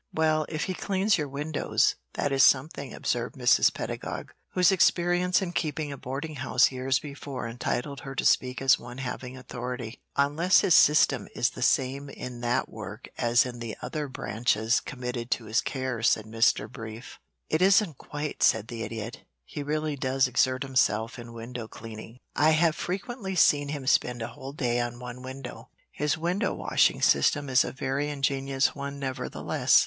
"Well, if he cleans your windows, that is something," observed Mrs. Pedagog, whose experience in keeping a boarding house years before entitled her to speak as one having authority. "Unless his system is the same in that work as in the other branches committed to his care," said Mr. Brief. [Illustration: "'SPEND A WHOLE DAY ON ONE WINDOW'"] "It isn't quite," said the Idiot. "He really does exert himself in window cleaning. I have frequently seen him spend a whole day on one window. His window washing system is a very ingenious one, nevertheless."